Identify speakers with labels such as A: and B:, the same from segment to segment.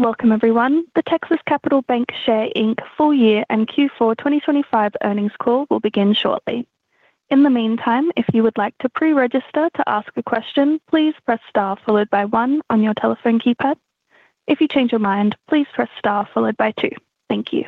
A: Welcome, everyone. The Texas Capital Bancshares Inc full year and Q4 2025 earnings call will begin shortly. In the meantime, if you would like to pre-register to ask a question, please press star followed by one on your telephone keypad. If you change your mind, please press star followed by two. Thank you.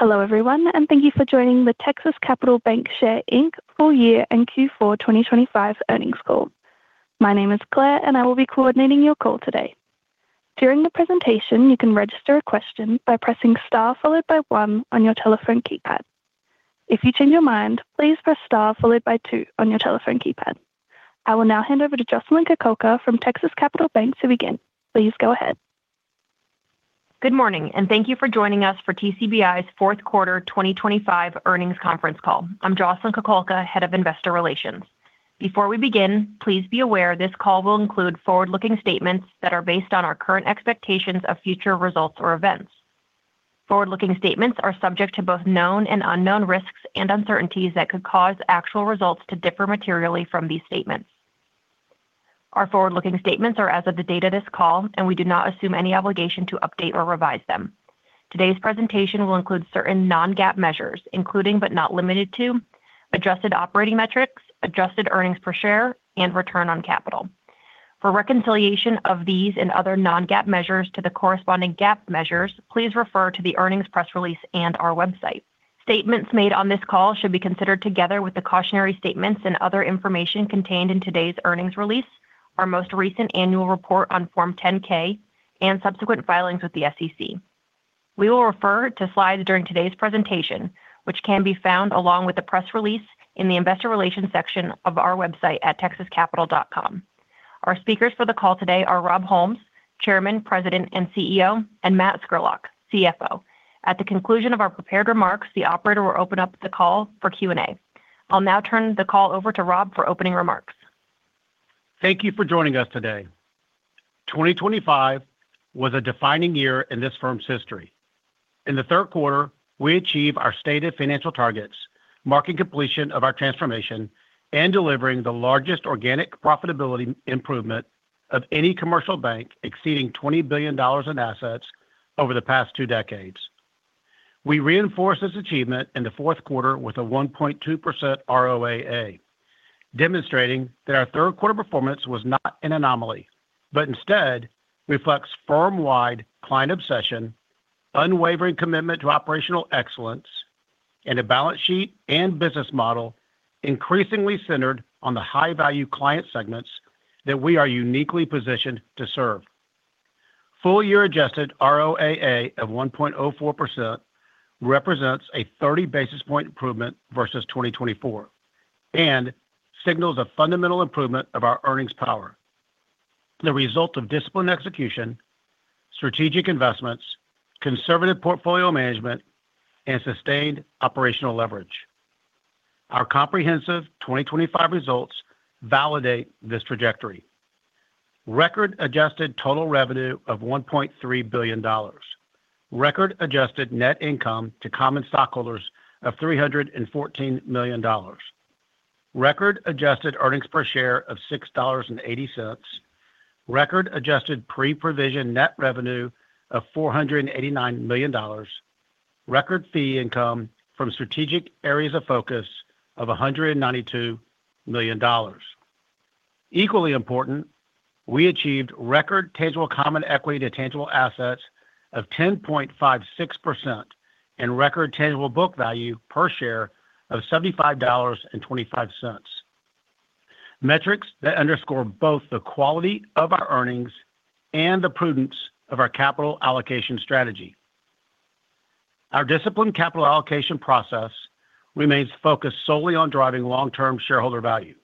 A: Hello, everyone, and thank you for joining the Texas Capital Bancshares Inc full year and Q4 2025 earnings call. My name is Claire, and I will be coordinating your call today. During the presentation, you can register a question by pressing star followed by one on your telephone keypad. If you change your mind, please press star followed by two on your telephone keypad. I will now hand over to Jocelyn Kukulka from Texas Capital Bancshares to begin. Please go ahead.
B: Good morning, and thank you for joining us for TCBI's fourth quarter 2025 earnings conference call. I'm Jocelyn Kukulka, Head of Investor Relations. Before we begin, please be aware this call will include forward-looking statements that are based on our current expectations of future results or events. Forward-looking statements are subject to both known and unknown risks and uncertainties that could cause actual results to differ materially from these statements. Our forward-looking statements are as of the date of this call, and we do not assume any obligation to update or revise them. Today's presentation will include certain non-GAAP measures, including but not limited to adjusted operating metrics, adjusted earnings per share, and return on capital. For reconciliation of these and other non-GAAP measures to the corresponding GAAP measures, please refer to the earnings press release and our website. Statements made on this call should be considered together with the cautionary statements and other information contained in today's earnings release, our most recent annual report on Form 10-K, and subsequent filings with the SEC. We will refer to slides during today's presentation, which can be found along with the press release in the investor relations section of our website at texascapital.com. Our speakers for the call today are Rob Holmes, Chairman, President, and CEO, and Matt Scurlock, CFO. At the conclusion of our prepared remarks, the operator will open up the call for Q&A. I'll now turn the call over to Rob for opening remarks.
C: Thank you for joining us today. 2025 was a defining year in this firm's history. In the third quarter, we achieved our stated financial targets, marking completion of our transformation and delivering the largest organic profitability improvement of any commercial bank exceeding $20 billion in assets over the past two decades. We reinforced this achievement in the fourth quarter with a 1.2% ROAA, demonstrating that our third quarter performance was not an anomaly, but instead reflects firm-wide client obsession, unwavering commitment to operational excellence, and a balance sheet and business model increasingly centered on the high-value client segments that we are uniquely positioned to serve. Full-year adjusted ROAA of 1.04% represents a 30 basis point improvement versus 2024 and signals a fundamental improvement of our earnings power. The result of disciplined execution, strategic investments, conservative portfolio management, and sustained operational leverage. Our comprehensive 2025 results validate this trajectory. Record adjusted total revenue of $1.3 billion, record adjusted net income to common stockholders of $314 million, record adjusted earnings per share of $6.80, record adjusted pre-provision net revenue of $489 million, record fee income from strategic areas of focus of $192 million. Equally important, we achieved record tangible common equity to tangible assets of 10.56% and record tangible book value per share of $75.25, metrics that underscore both the quality of our earnings and the prudence of our capital allocation strategy. Our disciplined capital allocation process remains focused solely on driving long-term shareholder value.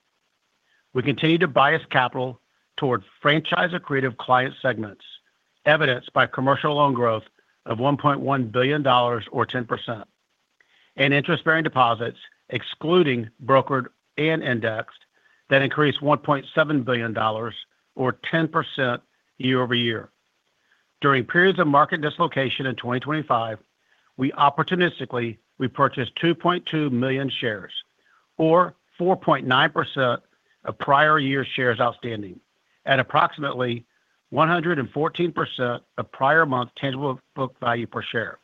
C: We continue to bias capital toward franchise or creative client segments, evidenced by commercial loan growth of $1.1 billion, or 10%, and interest-bearing deposits, excluding brokered and indexed, that increased $1.7 billion, or 10% year over year. During periods of market dislocation in 2025, we opportunistically repurchased 2.2 million shares, or 4.9% of prior year shares outstanding, at approximately 114% of prior month's tangible book value per share.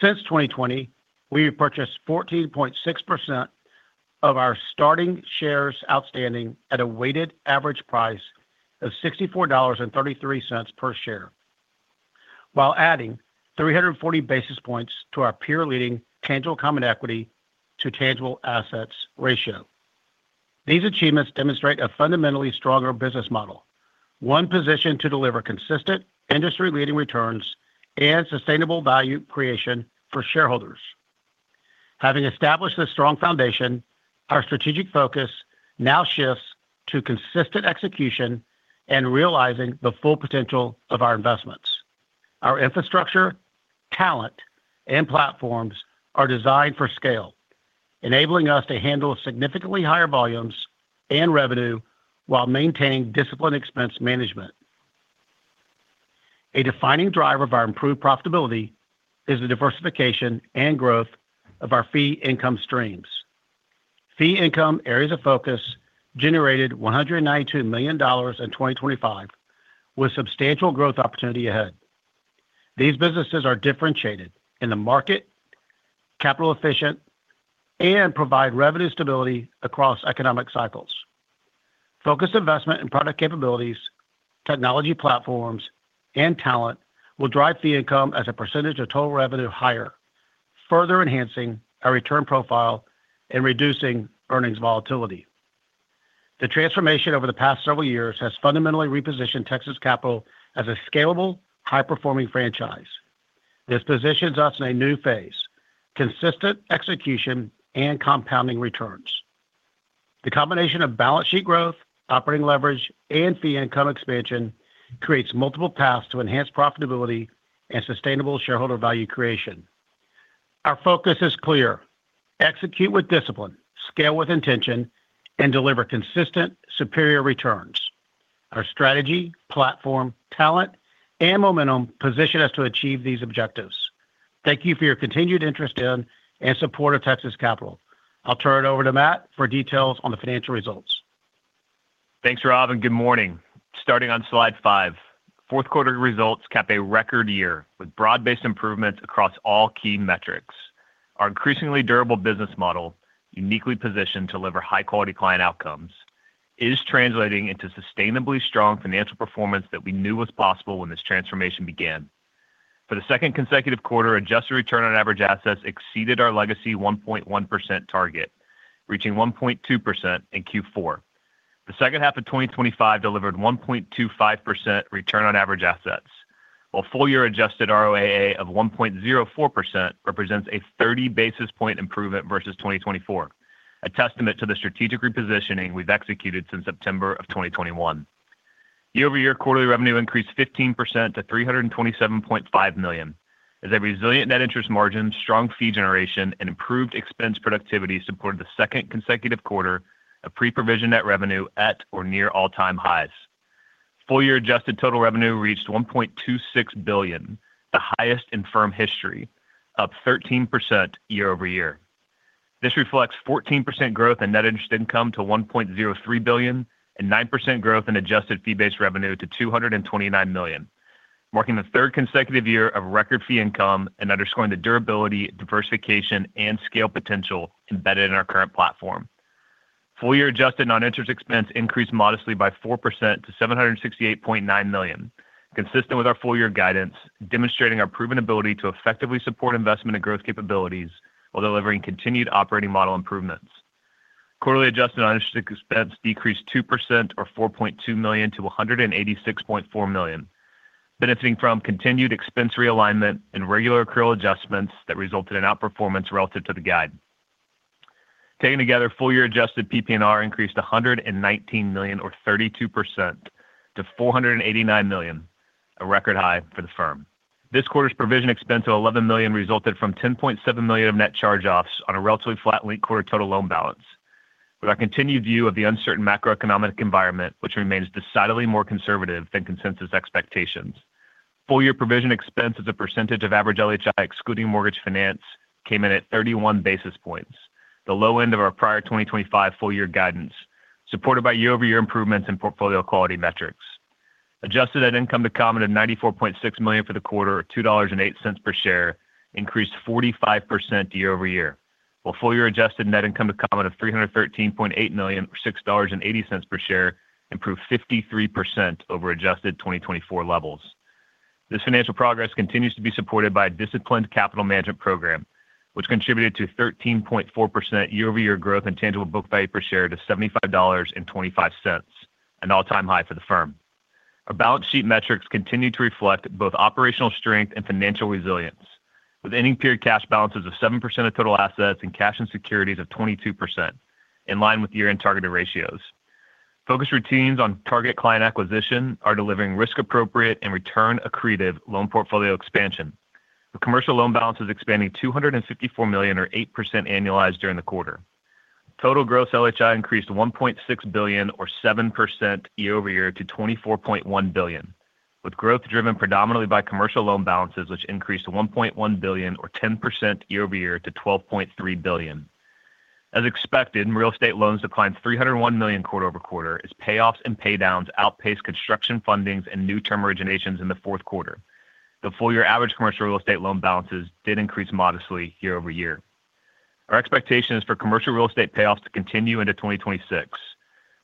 C: Since 2020, we repurchased 14.6% of our starting shares outstanding at a weighted average price of $64.33 per share, while adding 340 basis points to our peer-leading tangible common equity to tangible assets ratio. These achievements demonstrate a fundamentally stronger business model, one positioned to deliver consistent industry-leading returns and sustainable value creation for shareholders. Having established a strong foundation, our strategic focus now shifts to consistent execution and realizing the full potential of our investments. Our infrastructure, talent, and platforms are designed for scale, enabling us to handle significantly higher volumes and revenue while maintaining disciplined expense management. A defining driver of our improved profitability is the diversification and growth of our fee income streams. Fee income areas of focus generated $192 million in 2025 with substantial growth opportunity ahead. These businesses are differentiated in the market, capital-efficient, and provide revenue stability across economic cycles. Focused investment in product capabilities, technology platforms, and talent will drive fee income as a percentage of total revenue higher, further enhancing our return profile and reducing earnings volatility. The transformation over the past several years has fundamentally repositioned Texas Capital as a scalable, high-performing franchise. This positions us in a new phase: consistent execution and compounding returns. The combination of balance sheet growth, operating leverage, and fee income expansion creates multiple paths to enhance profitability and sustainable shareholder value creation. Our focus is clear: execute with discipline, scale with intention, and deliver consistent superior returns. Our strategy, platform, talent, and momentum position us to achieve these objectives. Thank you for your continued interest in and support of Texas Capital. I'll turn it over to Matt for details on the financial results.
D: Thanks, Rob, and good morning. Starting on slide five, fourth quarter results capped a record year with broad-based improvements across all key metrics. Our increasingly durable business model, uniquely positioned to deliver high-quality client outcomes, is translating into sustainably strong financial performance that we knew was possible when this transformation began. For the second consecutive quarter, adjusted return on average assets exceeded our legacy 1.1% target, reaching 1.2% in Q4. The second half of 2025 delivered 1.25% return on average assets, while full-year adjusted ROAA of 1.04% represents a 30 basis point improvement versus 2024, a testament to the strategic repositioning we've executed since September of 2021. Year-over-year quarterly revenue increased 15% to $327.5 million, as a resilient net interest margin, strong fee generation, and improved expense productivity supported the second consecutive quarter of pre-provision net revenue at or near all-time highs. Full-year adjusted total revenue reached $1.26 billion, the highest in firm history, up 13% year over year. This reflects 14% growth in net interest income to $1.03 billion and 9% growth in adjusted fee-based revenue to $229 million, marking the third consecutive year of record fee income and underscoring the durability, diversification, and scale potential embedded in our current platform. Full-year adjusted non-interest expense increased modestly by 4% to $768.9 million, consistent with our full-year guidance, demonstrating our proven ability to effectively support investment and growth capabilities while delivering continued operating model improvements. Quarterly adjusted non-interest expense decreased 2%, or $4.2 million, to $186.4 million, benefiting from continued expense realignment and regular accrual adjustments that resulted in outperformance relative to the guide. Taken together, full-year adjusted PP&R increased $119 million, or 32%, to $489 million, a record high for the firm. This quarter's provision expense of $11 million resulted from $10.7 million of net charge-offs on a relatively flat late quarter total loan balance. With our continued view of the uncertain macroeconomic environment, which remains decidedly more conservative than consensus expectations, full-year provision expense as a percentage of average LHI, excluding mortgage finance, came in at 31 basis points, the low end of our prior 2025 full-year guidance, supported by year-over-year improvements in portfolio quality metrics. Adjusted net income to common of $94.6 million for the quarter, or $2.08 per share, increased 45% year over year, while full-year adjusted net income to common of $313.8 million, or $6.80 per share, improved 53% over adjusted 2024 levels. This financial progress continues to be supported by a disciplined capital management program, which contributed to 13.4% year-over-year growth in tangible book value per share to $75.25, an all-time high for the firm. Our balance sheet metrics continue to reflect both operational strength and financial resilience, with ending period cash balances of 7% of total assets and cash and securities of 22%, in line with year-end targeted ratios. Focus routines on target client acquisition are delivering risk-appropriate and return-accretive loan portfolio expansion, with commercial loan balances expanding $254 million, or 8% annualized during the quarter. Total gross LHI increased $1.6 billion, or 7% year over year, to $24.1 billion, with growth driven predominantly by commercial loan balances, which increased $1.1 billion, or 10% year over year, to $12.3 billion. As expected, real estate loans declined $301 million quarter over quarter as payoffs and paydowns outpaced construction fundings and new term originations in the fourth quarter. The full-year average commercial real estate loan balances did increase modestly year over year. Our expectation is for commercial real estate payoffs to continue into 2026,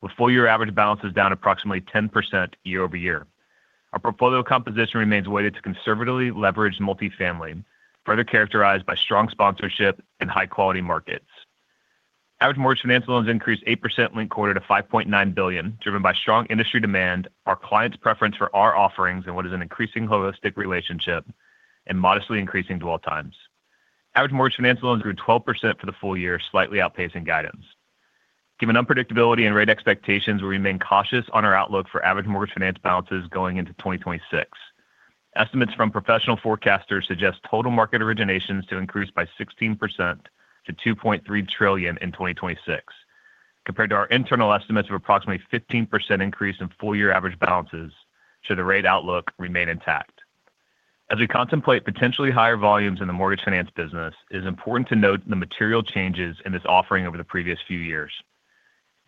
D: with full-year average balances down approximately 10% year over year. Our portfolio composition remains weighted to conservatively leveraged multifamily, further characterized by strong sponsorship and high-quality markets. Average mortgage finance loans increased 8% late quarter to $5.9 billion, driven by strong industry demand, our clients' preference for our offerings, and what is an increasingly holistic relationship, and modestly increasing dwell times. Average mortgage finance loans grew 12% for the full year, slightly outpacing guidance. Given unpredictability and rate expectations, we remain cautious on our outlook for average mortgage finance balances going into 2026. Estimates from professional forecasters suggest total market originations to increase by 16% to $2.3 trillion in 2026, compared to our internal estimates of approximately 15% increase in full-year average balances should the rate outlook remain intact. As we contemplate potentially higher volumes in the mortgage finance business, it is important to note the material changes in this offering over the previous few years.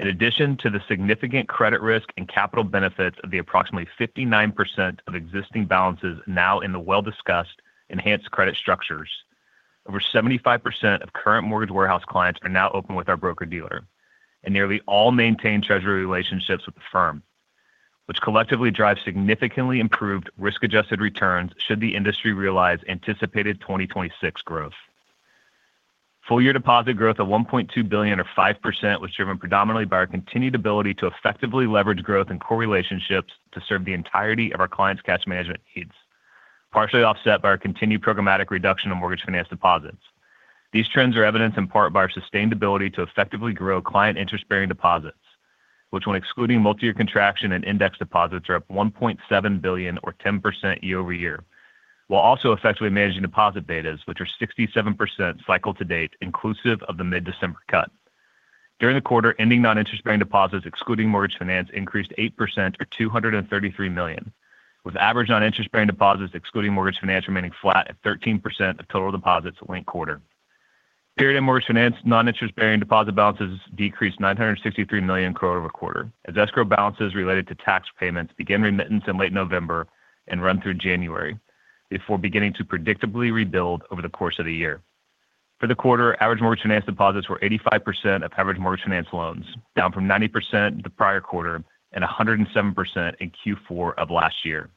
D: In addition to the significant credit risk and capital benefits of the approximately 59% of existing balances now in the well-discussed enhanced credit structures, over 75% of current mortgage warehouse clients are now open with our broker-dealer and nearly all maintain treasury relationships with the firm, which collectively drives significantly improved risk-adjusted returns should the industry realize anticipated 2026 growth. Full-year deposit growth of $1.2 billion, or 5%, was driven predominantly by our continued ability to effectively leverage growth and core relationships to serve the entirety of our clients' cash management needs, partially offset by our continued programmatic reduction of mortgage finance deposits. These trends are evidenced in part by our ability to effectively grow client interest-bearing deposits, which, when excluding multi-year contraction and index deposits, are up $1.7 billion, or 10% year over year, while also effectively managing deposit betas, which are 67% cycle to date, inclusive of the mid-December cut. During the quarter, ending non-interest-bearing deposits, excluding mortgage finance, increased 8%, or $233 million, with average non-interest-bearing deposits, excluding mortgage finance, remaining flat at 13% of total deposits late quarter. Period end mortgage finance non-interest-bearing deposit balances decreased $963 million quarter over quarter as escrow balances related to tax payments began remittance in late November and run through January before beginning to predictably rebuild over the course of the year. For the quarter, average mortgage finance deposits were 85% of average mortgage finance loans, down from 90% the prior quarter and 107% in Q4 of last year.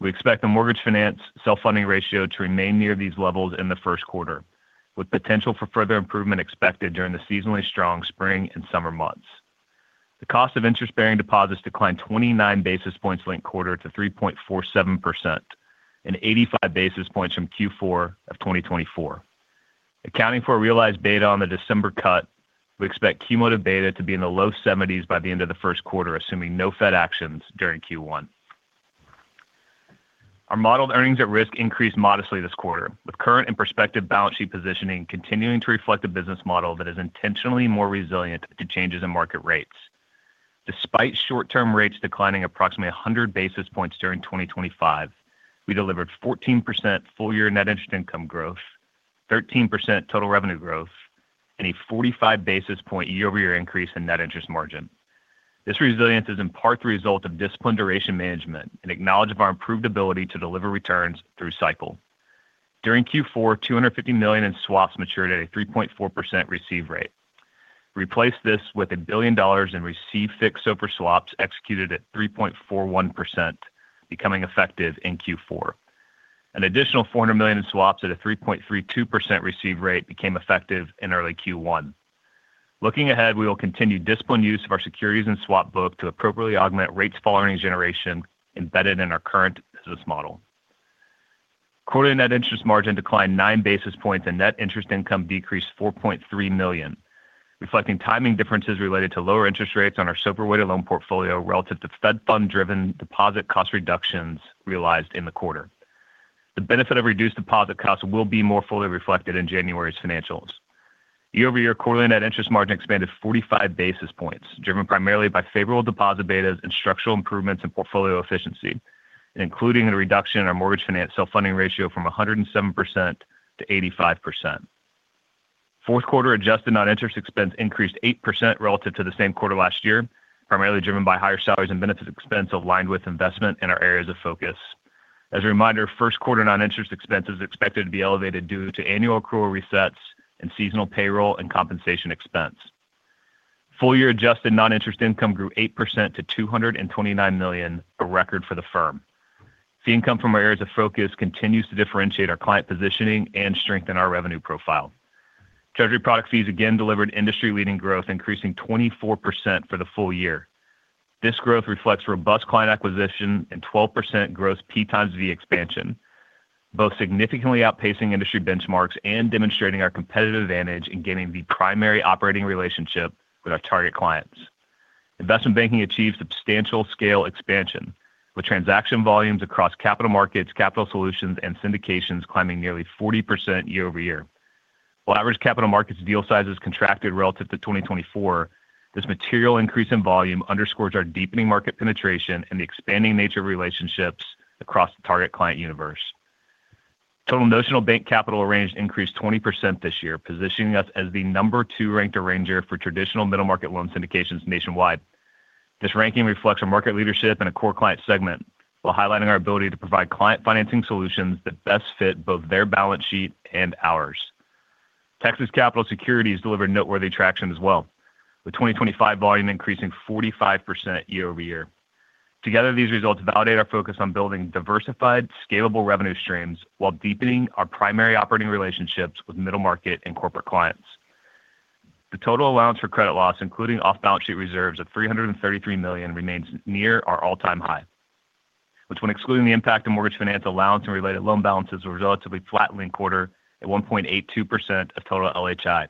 D: We expect the mortgage finance self-funding ratio to remain near these levels in the first quarter, with potential for further improvement expected during the seasonally strong spring and summer months. The cost of interest-bearing deposits declined 29 basis points late in the quarter to 3.47%, an 85 basis points from Q4 of 2024. Accounting for a realized beta on the December cut, we expect cumulative beta to be in the low 70s by the end of the first quarter, assuming no Fed actions during Q1. Our modeled earnings at risk increased modestly this quarter, with current and prospective balance sheet positioning continuing to reflect a business model that is intentionally more resilient to changes in market rates. Despite short-term rates declining approximately 100 basis points during 2025, we delivered 14% full-year net interest income growth, 13% total revenue growth, and a 45 basis point year-over-year increase in net interest margin. This resilience is in part the result of disciplined duration management and acknowledgment of our improved ability to deliver returns through cycle. During Q4, $250 million in swaps matured at a 3.4% receive rate. Replace this with $1 billion in receive fixed over swaps executed at 3.41%, becoming effective in Q4. An additional $400 million in swaps at a 3.32% receive rate became effective in early Q1. Looking ahead, we will continue disciplined use of our securities and swap book to appropriately augment rates following generation embedded in our current business model. Quarterly net interest margin declined nine basis points and net interest income decreased $4.3 million, reflecting timing differences related to lower interest rates on our SOFR-weighted loan portfolio relative to Fed funds-driven deposit cost reductions realized in the quarter. The benefit of reduced deposit costs will be more fully reflected in January's financials. Year-over-year, quarterly net interest margin expanded 45 basis points, driven primarily by favorable deposit betas and structural improvements in portfolio efficiency, including a reduction in our mortgage finance self-funding ratio from 107% to 85%. Fourth quarter adjusted non-interest expense increased 8% relative to the same quarter last year, primarily driven by higher salaries and benefits expense aligned with investment in our areas of focus. As a reminder, first quarter non-interest expense is expected to be elevated due to annual accrual resets and seasonal payroll and compensation expense. Full-year adjusted non-interest income grew 8% to $229 million, a record for the firm. Fee income from our areas of focus continues to differentiate our client positioning and strengthen our revenue profile. Treasury product fees again delivered industry-leading growth, increasing 24% for the full year. This growth reflects robust client acquisition and 12% growth P times V expansion, both significantly outpacing industry benchmarks and demonstrating our competitive advantage in gaining the primary operating relationship with our target clients. Investment banking achieved substantial scale expansion, with transaction volumes across capital markets, capital solutions, and syndications climbing nearly 40% year over year. While average capital markets deal sizes contracted relative to 2024, this material increase in volume underscores our deepening market penetration and the expanding nature of relationships across the target client universe. Total notional bank capital arranged increased 20% this year, positioning us as the number two-ranked arranger for traditional middle market loan syndications nationwide. This ranking reflects our market leadership and our core client segment, while highlighting our ability to provide client financing solutions that best fit both their balance sheet and ours. Texas Capital Securities delivered noteworthy traction as well, with 2025 volume increasing 45% year over year. Together, these results validate our focus on building diversified, scalable revenue streams while deepening our primary operating relationships with middle market and corporate clients. The total allowance for credit loss, including off-balance sheet reserves of $333 million, remains near our all-time high, which, when excluding the impact of mortgage finance allowance and related loan balances, was relatively flat late quarter at 1.82% of total LHI,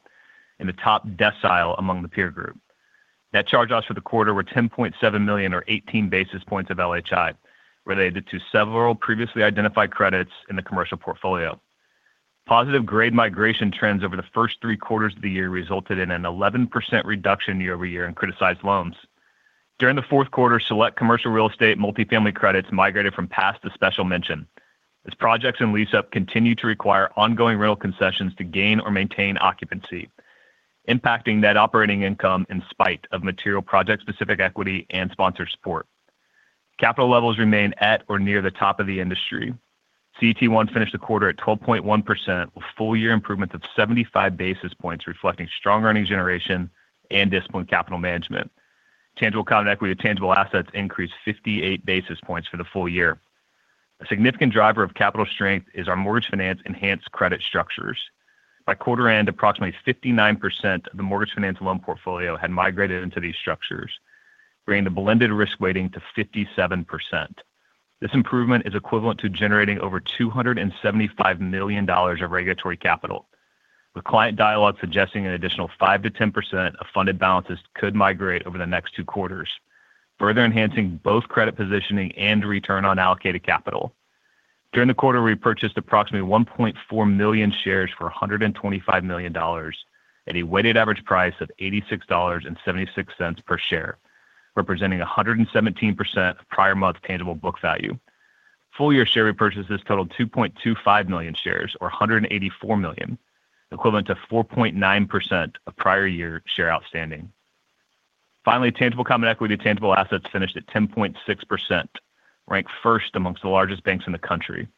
D: in the top decile among the peer group. Net charge-offs for the quarter were $10.7 million, or 18 basis points of LHI, related to several previously identified credits in the commercial portfolio. Positive grade migration trends over the first three quarters of the year resulted in an 11% reduction year over year in criticized loans. During the fourth quarter, select commercial real estate multifamily credits migrated from Pass to Special Mention, as projects and lease-up continue to require ongoing rental concessions to gain or maintain occupancy, impacting net operating income in spite of material project-specific equity and sponsor support. Capital levels remain at or near the top of the industry. CET1 finished the quarter at 12.1%, with full-year improvements of 75 basis points reflecting strong earnings generation and disciplined capital management. Tangible common equity and tangible assets increased 58 basis points for the full year. A significant driver of capital strength is our mortgage finance enhanced credit structures. By quarter end, approximately 59% of the mortgage finance loan portfolio had migrated into these structures, bringing the blended risk weighting to 57%. This improvement is equivalent to generating over $275 million of regulatory capital, with client dialogue suggesting an additional 5%-10% of funded balances could migrate over the next two quarters, further enhancing both credit positioning and return on allocated capital. During the quarter, we purchased approximately 1.4 million shares for $125 million at a weighted average price of $86.76 per share, representing 117% of prior month's Tangible Book Value. Full-year share repurchases totaled 2.25 million shares, or $184 million, equivalent to 4.9% of prior year shares outstanding. Finally, Tangible Common Equity and tangible assets finished at 10.6%, ranked first amongst the largest banks in the country,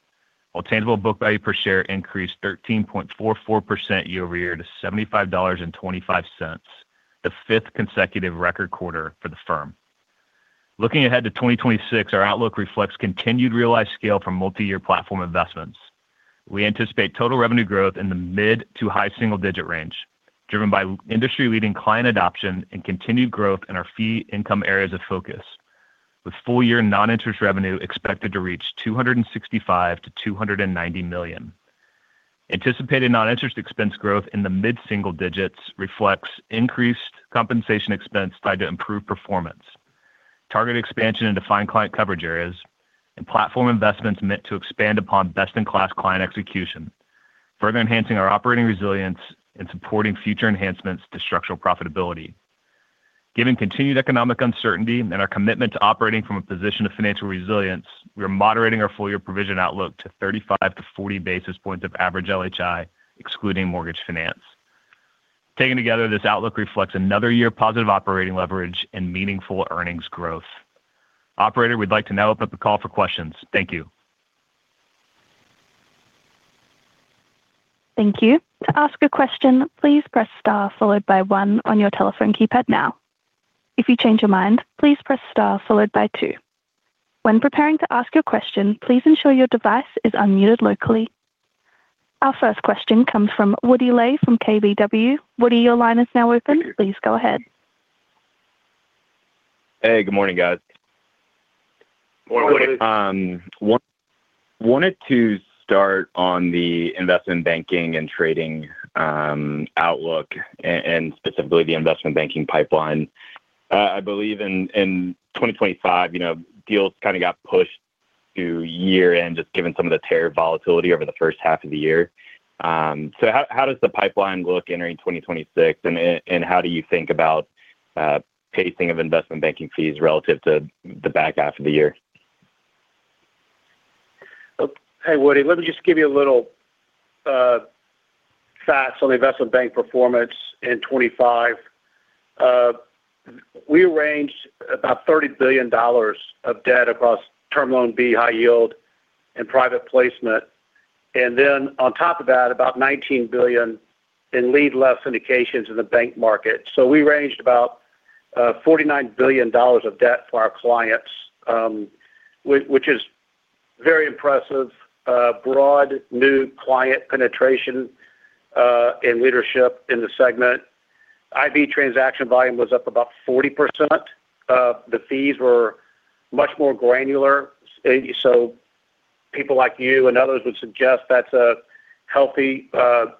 D: while Tangible Book Value per share increased 13.44% year over year to $75.25, the fifth consecutive record quarter for the firm. Looking ahead to 2026, our outlook reflects continued realized scale for multi-year platform investments. We anticipate total revenue growth in the mid to high single-digit range, driven by industry-leading client adoption and continued growth in our fee income areas of focus, with full-year non-interest revenue expected to reach $265 million-$290 million. Anticipated non-interest expense growth in the mid-single digits reflects increased compensation expense tied to improved performance, targeted expansion defined client coverage areas, and platform investments meant to expand upon best-in-class client execution, further enhancing our operating resilience and supporting future enhancements to structural profitability. Given continued economic uncertainty and our commitment to operating from a position of financial resilience, we are moderating our full-year provision outlook to 35-40 basis points of average LHI, excluding mortgage finance. Taken together, this outlook reflects another year of positive operating leverage and meaningful earnings growth. Operator, we'd like to now open up the call for questions. Thank you.
A: Thank you. To ask a question, please press star followed by one on your telephone keypad now. If you change your mind, please press star followed by two. When preparing to ask your question, please ensure your device is unmuted locally. Our first question comes from Woody Lay from KBW. Woody, your line is now open. Please go ahead.
E: Hey, good morning, guys.
C: Good morning, Woody.
E: Wanted to start on the investment banking and trading outlook, and specifically the investment banking pipeline. I believe in 2025, deals kind of got pushed to year-end, just given some of the tariff volatility over the first half of the year. So how does the pipeline look entering 2026, and how do you think about pacing of investment banking fees relative to the back half of the year?
C: Hey, Woody, let me just give you a little facts on the investment bank performance in 2025. We arranged about $30 billion of debt across Term Loan B, high yield, and private placement, and then on top of that, about $19 billion in lead-level syndications in the bank market, so we arranged about $49 billion of debt for our clients, which is very impressive. Broad new client penetration and leadership in the segment. Q4 transaction volume was up about 40%. The fees were much more granular, so people like you and others would suggest that's a healthy, better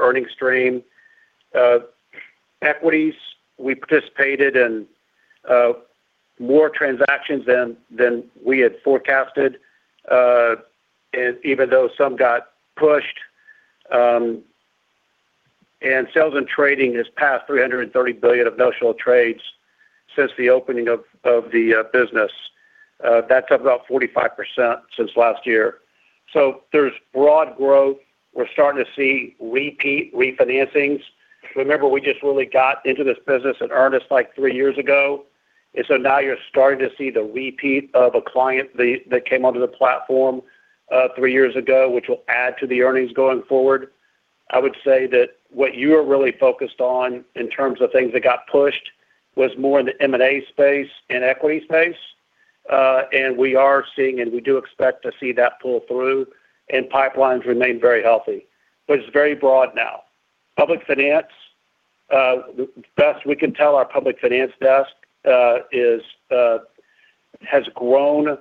C: earnings stream. Equities, we participated in more transactions than we had forecasted, even though some got pushed, and sales and trading has passed $330 billion of notional trades since the opening of the business. That's up about 45% since last year, so there's broad growth. We're starting to see repeat refinancings. Remember, we just really got into this business in earnest like three years ago. And so now you're starting to see the repeat of a client that came onto the platform three years ago, which will add to the earnings going forward. I would say that what you were really focused on in terms of things that got pushed was more in the M&A space and equity space. And we are seeing, and we do expect to see that pull through, and pipelines remain very healthy. But it's very broad now. Public finance, best we can tell, our public finance desk has grown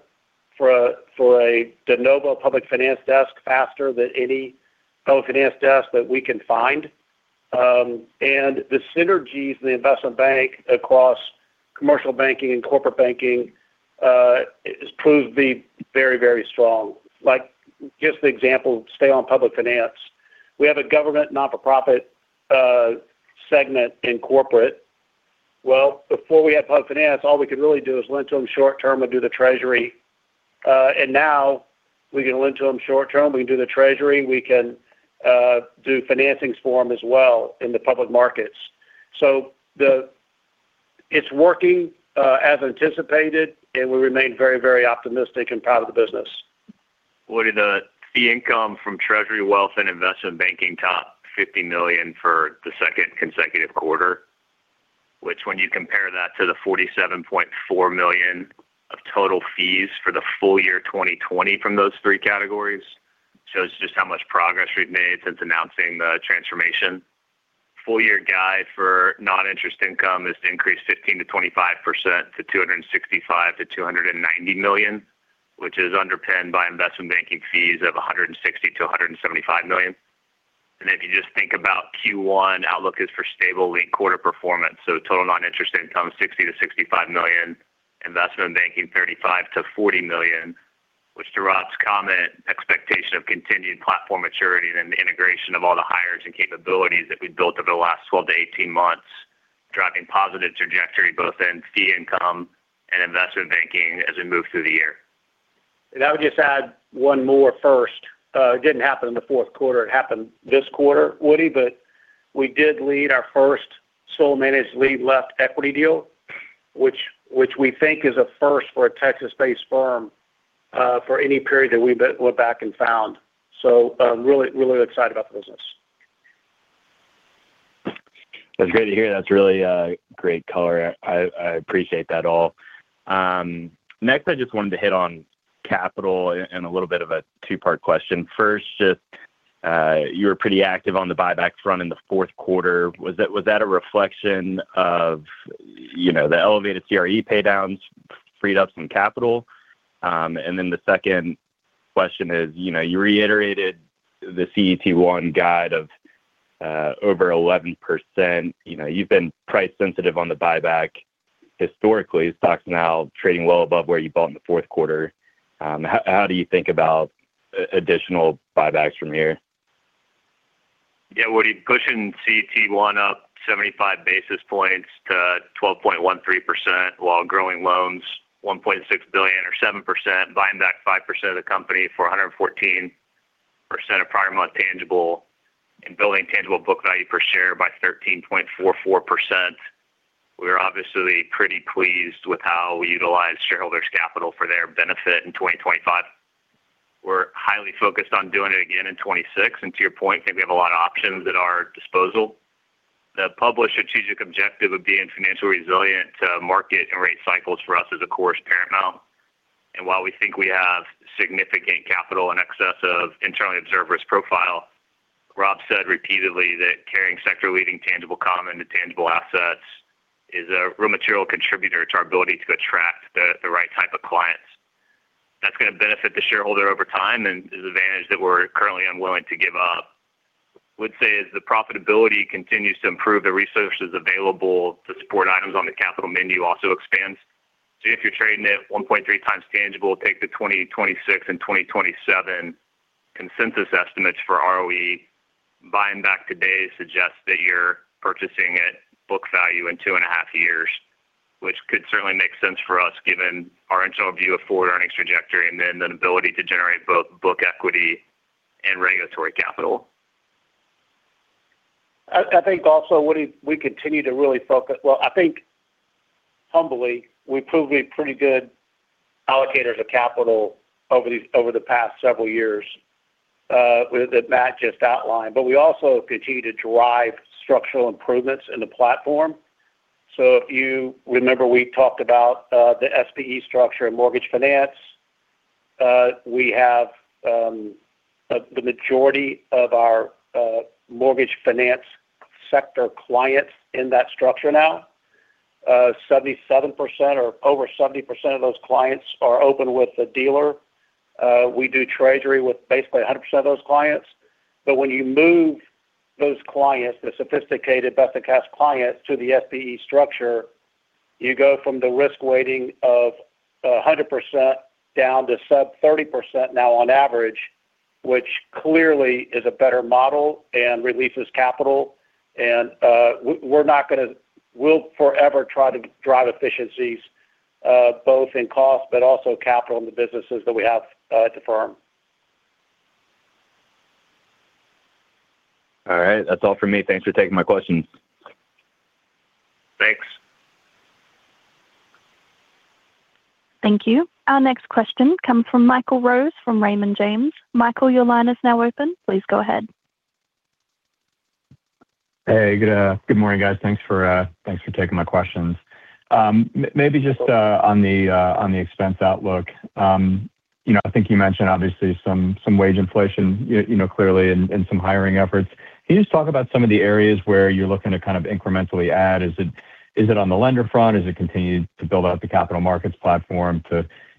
C: for a de novo public finance desk faster than any public finance desk that we can find. And the synergies in the investment bank across commercial banking and corporate banking prove to be very, very strong. Just an example, stay on public finance. We have a government non-for-profit segment in corporate. Before we had public finance, all we could really do is lend to them short-term and do the treasury. Now we can lend to them short-term. We can do the treasury. We can do financings for them as well in the public markets. It's working as anticipated, and we remain very, very optimistic and proud of the business.
D: Woody, the fee income from treasury wealth and investment banking topped $50 million for the second consecutive quarter, which when you compare that to the $47.4 million of total fees for the full year 2020 from those three categories, shows just how much progress we've made since announcing the transformation. Full-year guide for non-interest income has increased 15%-25% to $265 million-$290 million, which is underpinned by investment banking fees of $160 million-$175 million. And if you just think about Q1, outlook is for stable late-quarter performance. So total non-interest income $60 million-$65 million, investment banking $35 million-$40 million, which draws comment expectation of continued platform maturity and integration of all the hires and capabilities that we built over the last 12 to 18 months, driving positive trajectory both in fee income and investment banking as we move through the year.
C: And I would just add one more first. It didn't happen in the fourth quarter. It happened this quarter, Woody, but we did lead our first sole managed lead-left equity deal, which we think is a first for a Texas-based firm for any period that we went back and found. So really, really excited about the business.
E: That's great to hear. That's really great color. I appreciate that all. Next, I just wanted to hit on capital and a little bit of a two-part question. First, just you were pretty active on the buyback front in the fourth quarter. Was that a reflection of the elevated CRE paydowns, freed up some capital? And then the second question is, you reiterated the CET1 guide of over 11%. You've been price-sensitive on the buyback historically. Stock's now trading well above where you bought in the fourth quarter. How do you think about additional buybacks from here?
D: Yeah, Woody, pushing CET1 up 75 basis points to 12.13% while growing loans $1.6 billion or 7%, buying back 5% of the company for 114% of prior month tangible, and building tangible book value per share by 13.44%. We are obviously pretty pleased with how we utilize shareholders' capital for their benefit in 2025. We're highly focused on doing it again in 2026. To your point, I think we have a lot of options at our disposal. The published strategic objective of being financially resilient to market and rate cycles for us is, of course, paramount. While we think we have significant capital in excess of internally observed risk profile, Rob said repeatedly that carrying sector-leading tangible common equity to tangible assets is a real material contributor to our ability to attract the right type of clients. That's going to benefit the shareholder over time and is an advantage that we're currently unwilling to give up. I would say as the profitability continues to improve, the resources available to support items on the capital menu also expands. If you're trading at 1.3x tangible, take the 2026 and 2027 consensus estimates for ROE. Buying back today suggests that you're purchasing at book value in two and a half years, which could certainly make sense for us given our internal view of forward earnings trajectory and then the ability to generate both book equity and regulatory capital.
C: I think also, Woody, we continue to really focus, well, I think humbly, we've proved to be pretty good allocators of capital over the past several years that Matt just outlined. But we also continue to drive structural improvements in the platform. So if you remember, we talked about the SPE structure and mortgage finance. We have the majority of our mortgage finance sector clients in that structure now. 77% or over 70% of those clients are open with a dealer. We do treasury with basically 100% of those clients. But when you move those clients, the sophisticated best-in-class clients to the SPE structure, you go from the risk weighting of 100% down to sub-30% now on average, which clearly is a better model and releases capital. And we're not going to. We'll forever try to drive efficiencies both in cost but also capital in the businesses that we have at the firm.
E: All right. That's all for me. Thanks for taking my questions.
C: Thanks.
A: Thank you. Our next question comes from Michael Rose from Raymond James. Michael, your line is now open. Please go ahead.
F: Hey, good morning, guys. Thanks for taking my questions. Maybe just on the expense outlook, I think you mentioned obviously some wage inflation clearly and some hiring efforts. Can you just talk about some of the areas where you're looking to kind of incrementally add? Is it on the lender front? Is it continuing to build out the capital markets platform?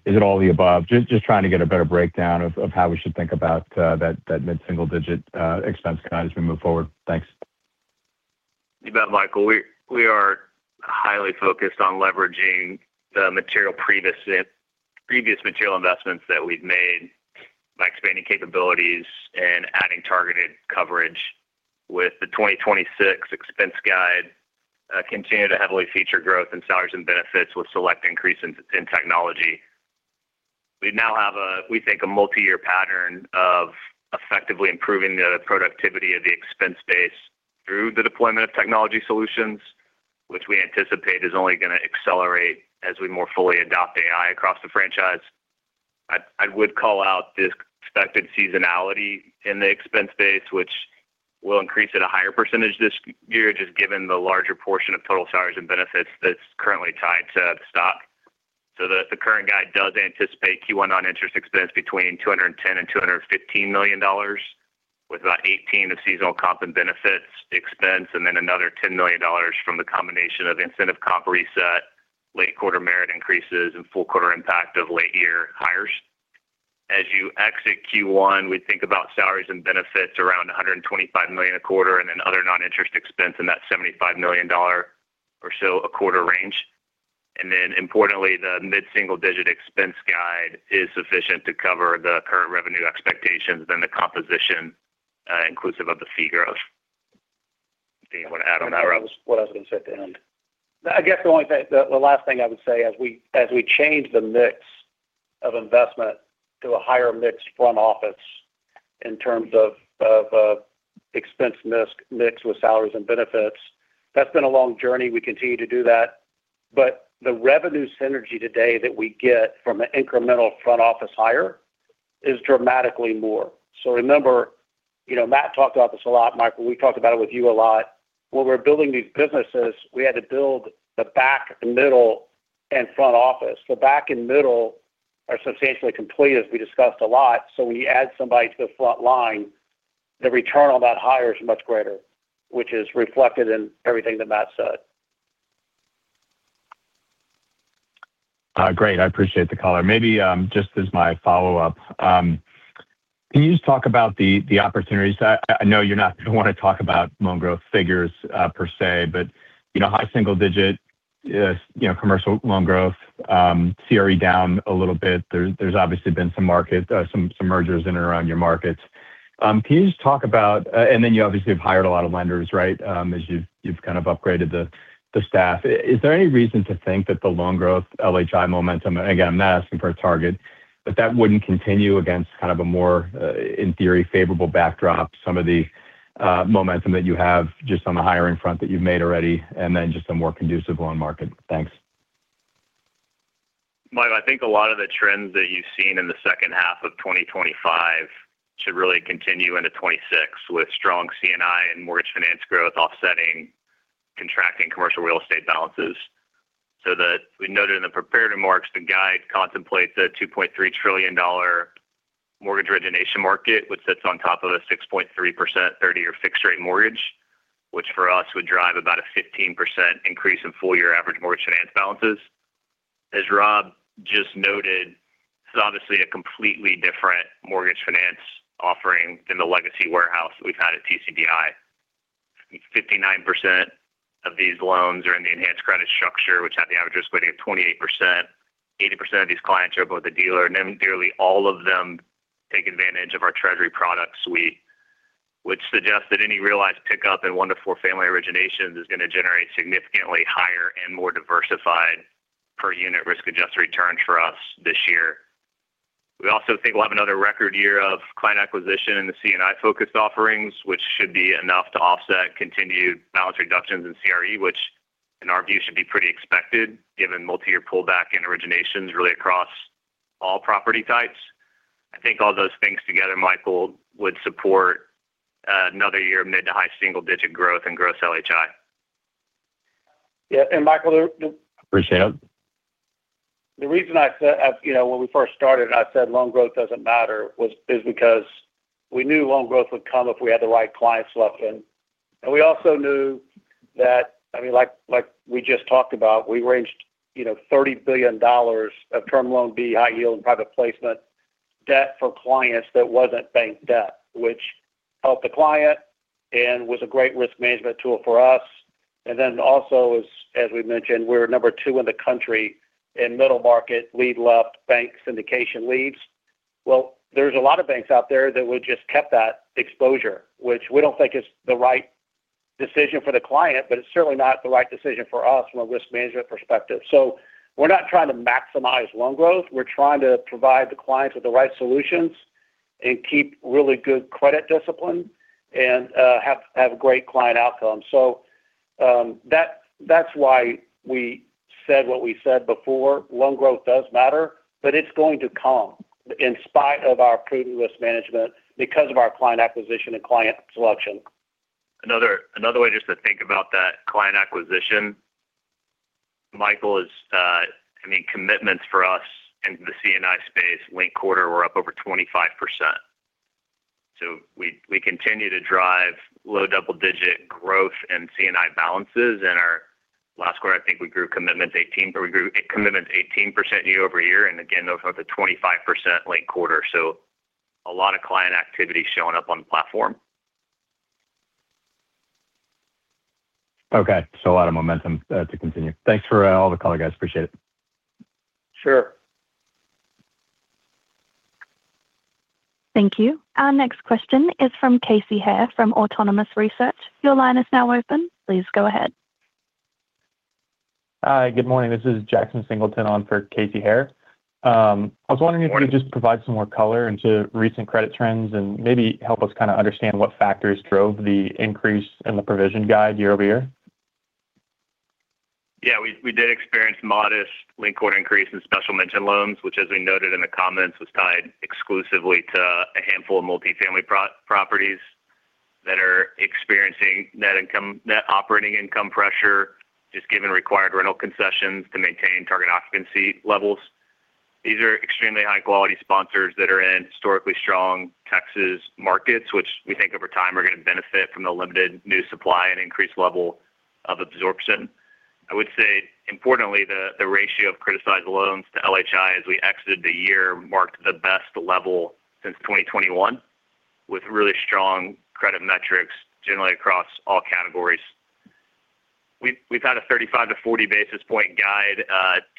F: Is it all the above? Just trying to get a better breakdown of how we should think about that mid-single-digit expense cut as we move forward. Thanks.
D: You bet, Michael. We are highly focused on leveraging the material previous investments that we've made by expanding capabilities and adding targeted coverage. With the 2026 expense guide, continue to heavily feature growth in salaries and benefits with select increases in technology. We now have, we think, a multi-year pattern of effectively improving the productivity of the expense base through the deployment of technology solutions, which we anticipate is only going to accelerate as we more fully adopt AI across the franchise. I would call out this expected seasonality in the expense base, which will increase at a higher percentage this year, just given the larger portion of total salaries and benefits that's currently tied to the stock. So the current guide does anticipate Q1 non-interest expense between $210 and $215 million, with about $18 of seasonal comp and benefits expense, and then another $10 million from the combination of incentive comp reset, late-quarter merit increases, and full-quarter impact of late-year hires. As you exit Q1, we think about salaries and benefits around $125 million a quarter and then other non-interest expense in that $75 million or so a quarter range. And then importantly, the mid-single-digit expense guide is sufficient to cover the current revenue expectations and the composition, inclusive of the fee growth. Anything you want to add on that, Rob? What I was going to say at the end.
C: I guess the last thing I would say, as we change the mix of investment to a higher mix front office in terms of expense mix with salaries and benefits, that's been a long journey. We continue to do that. But the revenue synergy today that we get from an incremental front office hire is dramatically more. So remember, Matt talked about this a lot, Michael. We talked about it with you a lot. When we're building these businesses, we had to build the back, middle, and front office. The back and middle are substantially complete, as we discussed a lot. So when you add somebody to the front line, the return on that hire is much greater, which is reflected in everything that Matt said.
F: Great. I appreciate the call, and maybe just as my follow-up, can you just talk about the opportunities? I know you're not going to want to talk about loan growth figures per se, but high single-digit commercial loan growth, CRE down a little bit. There's obviously been some mergers in and around your markets. Can you just talk about, and then you obviously have hired a lot of lenders, right, as you've kind of upgraded the staff, is there any reason to think that the loan growth, LHI momentum, again, I'm not asking for a target, but that wouldn't continue against kind of a more, in theory, favorable backdrop, some of the momentum that you have just on the hiring front that you've made already, and then just a more conducive loan market? Thanks.
D: Michael, I think a lot of the trends that you've seen in the second half of 2025 should really continue into 2026 with strong C&I and mortgage finance growth offsetting contracting commercial real estate balances. So we noted in the preparatory marks, the guide contemplates a $2.3 trillion mortgage origination market, which sits on top of a 6.3% 30-year fixed-rate mortgage, which for us would drive about a 15% increase in full-year average mortgage finance balances. As Rob just noted, this is obviously a completely different mortgage finance offering than the legacy warehouse that we've had at TCBI. 59% of these loans are in the enhanced credit structure, which had the average risk weighting of 28%. 80% of these clients are both a dealer, and nearly all of them take advantage of our treasury product suite, which suggests that any realized pickup in one to four family originations is going to generate significantly higher and more diversified per-unit risk-adjusted returns for us this year. We also think we'll have another record year of client acquisition in the C&I-focused offerings, which should be enough to offset continued balance reductions in CRE, which in our view should be pretty expected given multi-year pullback and originations really across all property types. I think all those things together, Michael, would support another year of mid to high single-digit growth in gross LHI.
C: Yeah. And Michael.
F: Appreciate it.
C: The reason I said when we first started, I said loan growth doesn't matter is because we knew loan growth would come if we had the right clients selected. And we also knew that, I mean, like we just talked about, we raised $30 billion of term loan B high-yield and private placement debt for clients that wasn't bank debt, which helped the client and was a great risk management tool for us. And then also, as we mentioned, we're number two in the country in middle market lead-left bank syndication leads. Well, there's a lot of banks out there that would just kept that exposure, which we don't think is the right decision for the client, but it's certainly not the right decision for us from a risk management perspective. So we're not trying to maximize loan growth. We're trying to provide the clients with the right solutions and keep really good credit discipline and have great client outcomes. So that's why we said what we said before. Loan growth does matter, but it's going to come in spite of our prudent risk management because of our client acquisition and client selection.
D: Another way just to think about that client acquisition, Michael, is, I mean, commitments for us in the C&I space, late quarter, we're up over 25%. So we continue to drive low double-digit growth in C&I balances. And our last quarter, I think we grew commitments 18% year over year. And again, those are up to 25% late quarter. So a lot of client activity showing up on the platform.
F: Okay. So a lot of momentum to continue. Thanks for the call, guys. Appreciate it.
C: Sure.
A: Thank you. Our next question is from Casey Haire from Autonomous Research. Your line is now open. Please go ahead.
G: Hi. Good morning. This is Jackson Singleton on for Casey Haire. I was wondering if you could just provide some more color into recent credit trends and maybe help us kind of understand what factors drove the increase in the provision guidance year over year.
D: Yeah. We did experience modest linked quarter increase in special mention loans, which, as we noted in the comments, was tied exclusively to a handful of multi-family properties that are experiencing net operating income pressure just given required rental concessions to maintain target occupancy levels. These are extremely high-quality sponsors that are in historically strong Texas markets, which we think over time are going to benefit from the limited new supply and increased level of absorption. I would say, importantly, the ratio of criticized loans to LHI as we exited the year marked the best level since 2021, with really strong credit metrics generally across all categories. We've had a 35-40 basis point guide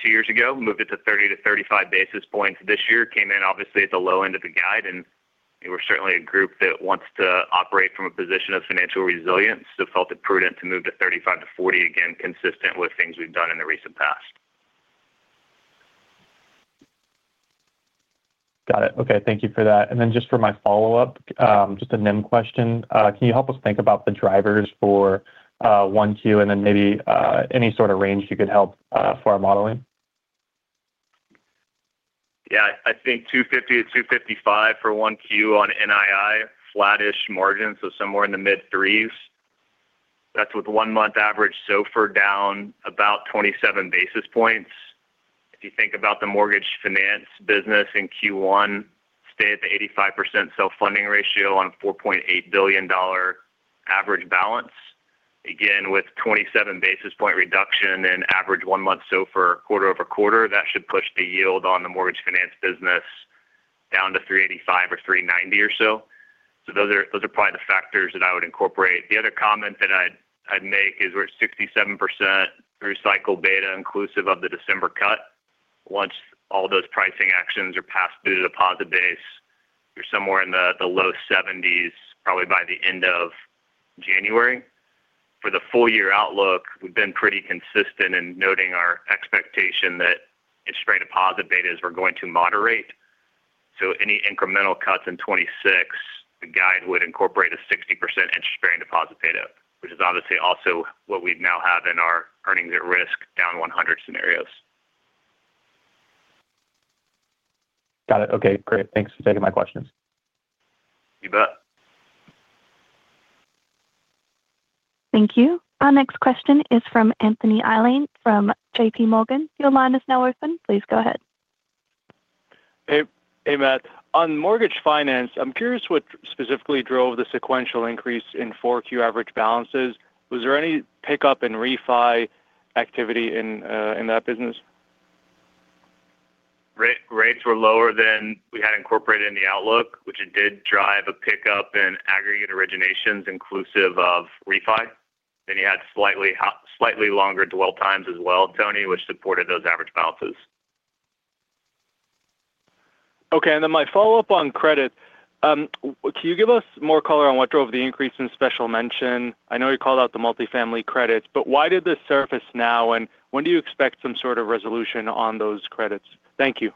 D: two years ago, moved it to 30-35 basis points this year, came in obviously at the low end of the guide. And we're certainly a group that wants to operate from a position of financial resilience, so felt it prudent to move to 35-40, again, consistent with things we've done in the recent past.
G: Got it. Okay. Thank you for that. And then just for my follow-up, just a NIM question. Can you help us think about the drivers for 1Q and then maybe any sort of range you could help for our modeling?
D: Yeah. I think 250-255 for 1Q on NII, flattish margins, so somewhere in the mid-threes. That's with one-month average SOFR down about 27 basis points. If you think about the mortgage finance business in Q1, stay at the 85% self-funding ratio on a $4.8 billion average balance. Again, with 27 basis point reduction and average one-month SOFR quarter over quarter, that should push the yield on the mortgage finance business down to 385 or 390 or so. So those are probably the factors that I would incorporate. The other comment that I'd make is we're at 67% through cycle beta, inclusive of the December cut. Once all those pricing actions are passed through the deposit base, you're somewhere in the low 70s, probably by the end of January. For the full-year outlook, we've been pretty consistent in noting our expectation that interest rate deposit beta is we're going to moderate. So any incremental cuts in 2026, the guide would incorporate a 60% interest rate deposit beta, which is obviously also what we now have in our earnings at risk down 100 scenarios.
G: Got it. Okay. Great. Thanks for taking my questions.
D: You bet.
A: Thank you. Our next question is from Anthony Elian from JPMorgan. Your line is now open. Please go ahead.
H: Hey, Matt. On mortgage finance, I'm curious what specifically drove the sequential increase in 4Q average balances. Was there any pickup in refi activity in that business?
D: Rates were lower than we had incorporated in the outlook, which did drive a pickup in aggregate originations, inclusive of refi. Then you had slightly longer dwell times as well, Tony, which supported those average balances.
H: Okay. And then my follow-up on credit, can you give us more color on what drove the increase in special mention? I know you called out the multi-family credits, but why did this surface now, and when do you expect some sort of resolution on those credits? Thank you.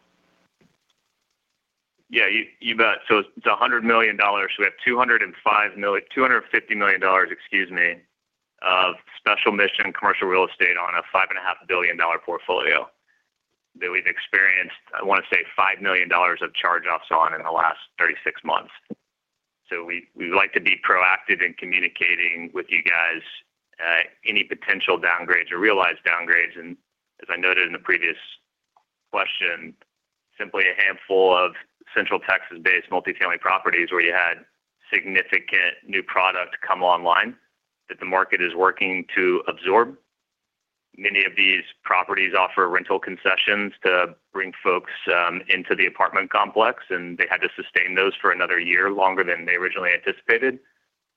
D: Yeah. You bet. So it's $100 million. So we have $250 million, excuse me, of Special Mention commercial real estate on a $5.5 billion portfolio that we've experienced, I want to say, $5 million of charge-offs on in the last 36 months. So we'd like to be proactive in communicating with you guys any potential downgrades or realized downgrades. And as I noted in the previous question, simply a handful of Central Texas-based multi-family properties where you had significant new product come online that the market is working to absorb. Many of these properties offer rental concessions to bring folks into the apartment complex, and they had to sustain those for another year, longer than they originally anticipated.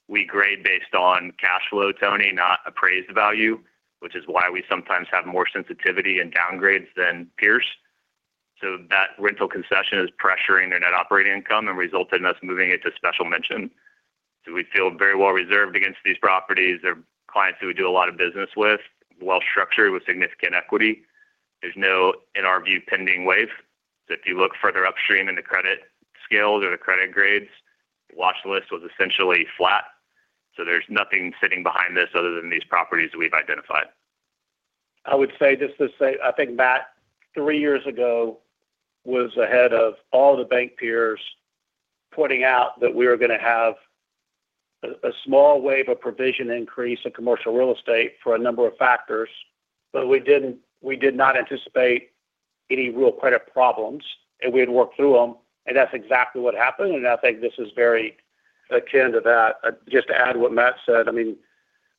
D: We grade based on cash flow, Tony, not appraised value, which is why we sometimes have more sensitivity in downgrades than peers. So that rental concession is pressuring their net operating income and resulted in us moving it to special mention. So we feel very well reserved against these properties. They're clients that we do a lot of business with, well-structured with significant equity. There's no, in our view, pending wave. So if you look further upstream in the credit scales or the credit grades, the watchlist was essentially flat. So there's nothing sitting behind this other than these properties that we've identified.
C: I would say just to say, I think Matt, three years ago, was ahead of all the bank peers pointing out that we were going to have a small wave of provision increase in commercial real estate for a number of factors, but we did not anticipate any real credit problems, and we had worked through them. And that's exactly what happened. I think this is very akin to that. Just to add what Matt said, I mean,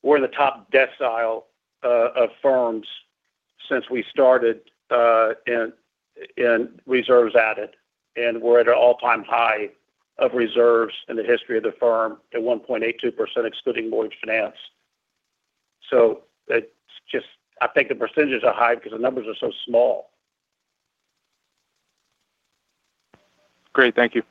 C: we're in the top decile of firms since we started and reserves added. We're at an all-time high of reserves in the history of the firm at 1.82%, excluding mortgage finance. So I think the percentage is a high because the numbers are so small.
H: Great. Thank you.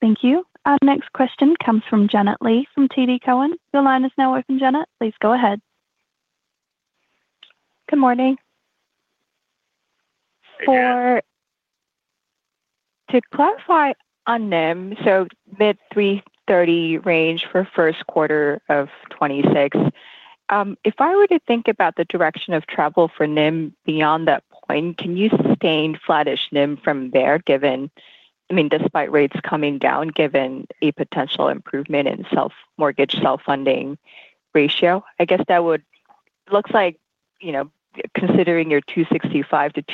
A: Thank you. Our next question comes from Janet Lee from TD Cowen. Your line is now opened, Janet. Please go ahead.
I: Good morning. To clarify on NIM, so mid-330 range for first quarter of 2026, if I were to think about the direction of travel for NIM beyond that point, can you sustain flattish NIM from there, given I mean, despite rates coming down, given a potential improvement in mortgage self-funding ratio? I guess that would look like, considering your $265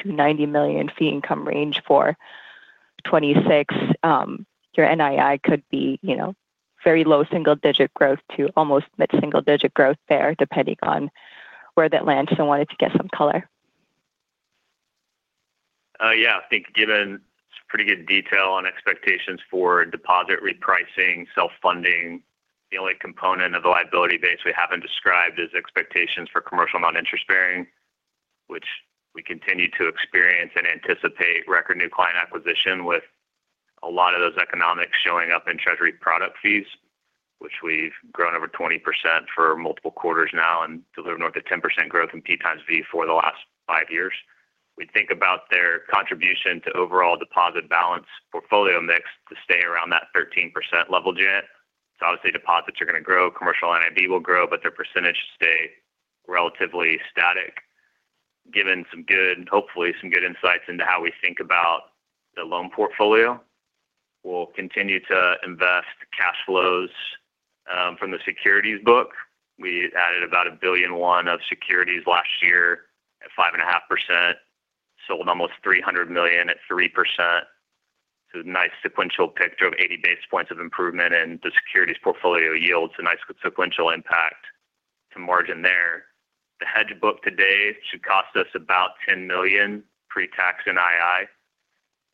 I: million-$290 million fee income range for 2026, your NII could be very low single-digit growth to almost mid-single-digit growth there, depending on where that lands. So I wanted to get some color.
D: Yeah. I think given pretty good detail on expectations for deposit repricing, self-funding, the only component of the liability base we haven't described is expectations for commercial non-interest bearing, which we continue to experience and anticipate record new client acquisition with a lot of those economics showing up in treasury product fees, which we've grown over 20% for multiple quarters now and delivered north of 10% growth in P times V for the last five years. We think about their contribution to overall deposit balance portfolio mix to stay around that 13% level, Janet. Obviously, deposits are going to grow, commercial NIB will grow, but their percentage stays relatively static. Given some good, hopefully some good insights into how we think about the loan portfolio, we'll continue to invest cash flows from the securities book. We added about $1.1 billion of securities last year at 5.5%, sold almost $300 million at 3%. So a nice sequential picture of 80 basis points of improvement in the securities portfolio yields, a nice sequential impact to margin there. The hedge book today should cost us about $10 million pre-tax NII.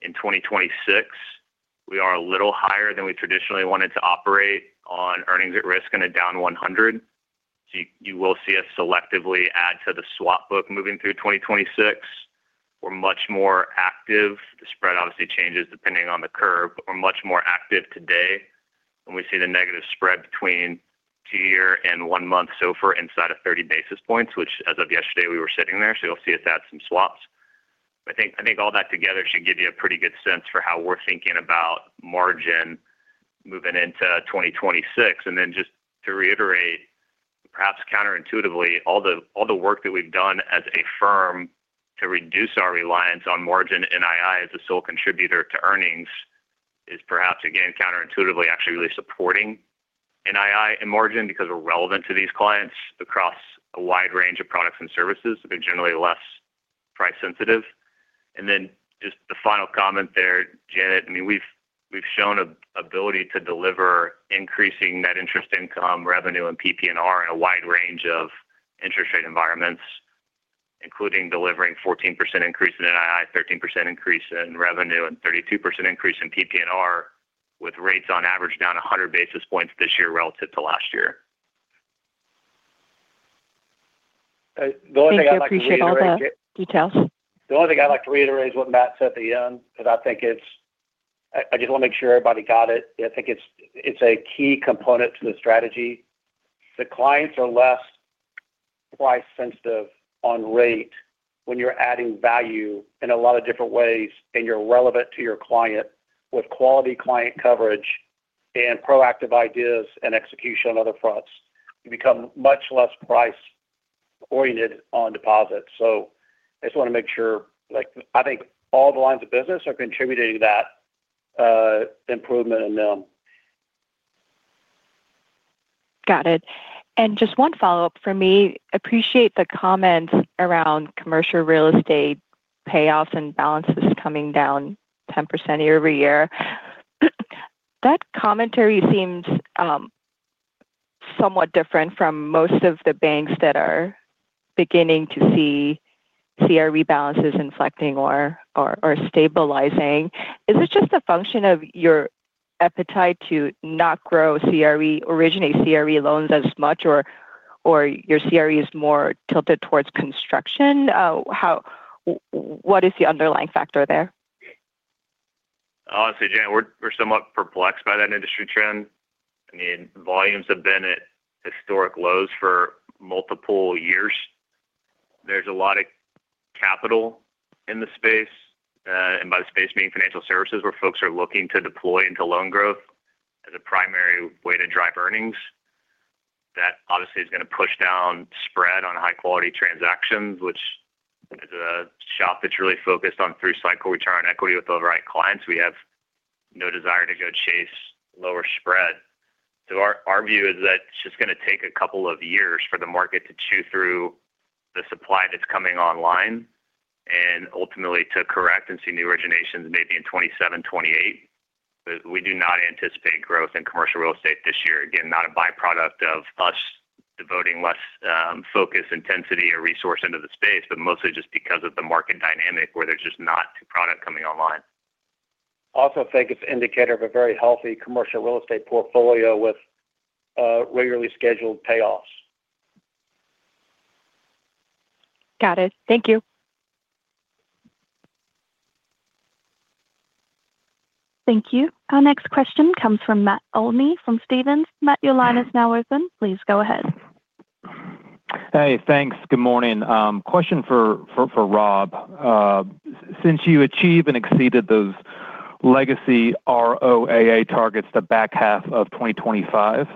D: In 2026, we are a little higher than we traditionally wanted to operate on earnings at risk and a down 100. So you will see us selectively add to the swap book moving through 2026. We're much more active. The spread obviously changes depending on the curve, but we're much more active today. And we see the negative spread between two-year and one-month SOFR inside of 30 basis points, which as of yesterday, we were sitting there. So you'll see us add some swaps. I think all that together should give you a pretty good sense for how we're thinking about margin moving into 2026. And then just to reiterate, perhaps counterintuitively, all the work that we've done as a firm to reduce our reliance on margin NII as a sole contributor to earnings is perhaps, again, counterintuitively, actually really supporting NII and margin because we're relevant to these clients across a wide range of products and services. They're generally less price sensitive. And then just the final comment there, Janet. I mean, we've shown an ability to deliver increasing net interest income revenue and PP&R in a wide range of interest rate environments, including delivering a 14% increase in NII, a 13% increase in revenue, and a 32% increase in PP&R with rates on average down 100 basis points this year relative to last year.
C: The only thing I'd like to reiterate.
I: Thank you for sharing all that details.
C: The only thing I'd like to reiterate is what Matt said at the end, because I think it's. I just want to make sure everybody got it. I think it's a key component to the strategy. The clients are less price sensitive on rate when you're adding value in a lot of different ways, and you're relevant to your client with quality client coverage and proactive ideas and execution on other fronts. You become much less price oriented on deposits, so I just want to make sure I think all the lines of business are contributing to that improvement in them.
I: Got it, and just one follow-up for me. Appreciate the comments around commercial real estate payoffs and balances coming down 10% year over year. That commentary seems somewhat different from most of the banks that are beginning to see CRE balances inflecting or stabilizing. Is it just a function of your appetite to not grow CRE, originate CRE loans as much, or your CRE is more tilted towards construction? What is the underlying factor there?
D: Honestly, Janet, we're somewhat perplexed by that industry trend. I mean, volumes have been at historic lows for multiple years. There's a lot of capital in the space, and by the space, meaning financial services where folks are looking to deploy into loan growth as a primary way to drive earnings. That obviously is going to push down spread on high-quality transactions, which is a shop that's really focused on through cycle return on equity with overnight clients. We have no desire to go chase lower spread. So our view is that it's just going to take a couple of years for the market to chew through the supply that's coming online and ultimately to correct and see new originations maybe in 2027, 2028. But we do not anticipate growth in commercial real estate this year. Again, not a byproduct of us devoting less focus, intensity, or resource into the space, but mostly just because of the market dynamic where there's just not product coming online.
C: Also, I think it's an indicator of a very healthy commercial real estate portfolio with regularly scheduled payoffs.
I: Got it. Thank you.
A: Thank you. Our next question comes from Matt Olney from Stephens. Matt, your line is now open. Please go ahead.
J: Hey, thanks. Good morning. Question for Rob. Since you achieved and exceeded those legacy ROAA targets the back half of 2025,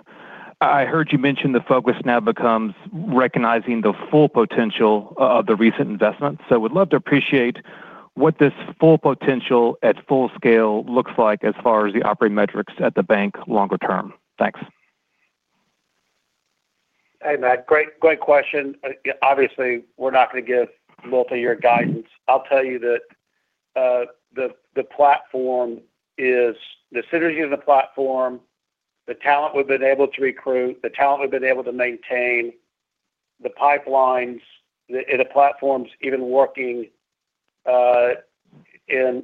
J: I heard you mention the focus now becomes recognizing the full potential of the recent investments. So I would love to appreciate what this full potential at full scale looks like as far as the operating metrics at the bank longer term. Thanks.
C: Hey, Matt. Great question. Obviously, we're not going to give multi-year guidance. I'll tell you that the platform is the synergy of the platform, the talent we've been able to recruit, the talent we've been able to maintain, the pipelines in a platform's even working in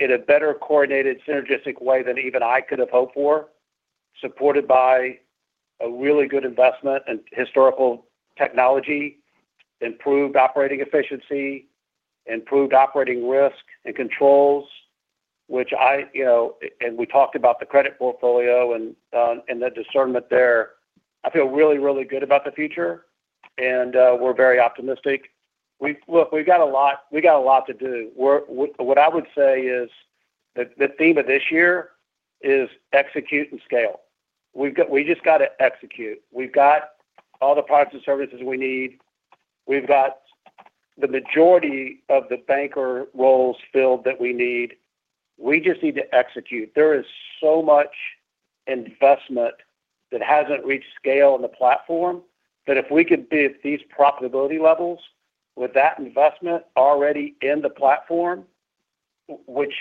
C: a better coordinated synergistic way than even I could have hoped for, supported by a really good investment and historical technology, improved operating efficiency, improved operating risk and controls, which I and we talked about the credit portfolio and the discernment there. I feel really, really good about the future, and we're very optimistic. Look, we've got a lot we've got a lot to do. What I would say is the theme of this year is execute and scale. We just got to execute. We've got all the products and services we need. We've got the majority of the banker roles filled that we need. We just need to execute. There is so much investment that hasn't reached scale in the platform that if we could be at these profitability levels with that investment already in the platform, which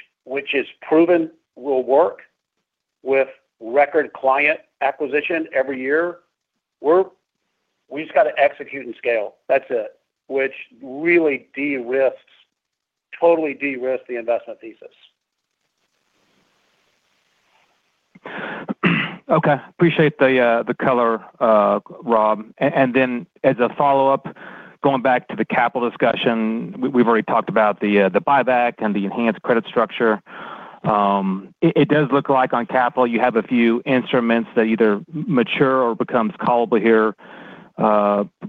C: is proven will work with record client acquisition every year, we just got to execute and scale. That's it, which really de-risks, totally de-risks the investment thesis.
J: Okay. Appreciate the color, Rob, and then as a follow-up, going back to the capital discussion, we've already talked about the buyback and the enhanced credit structure. It does look like on capital, you have a few instruments that either mature or become callable here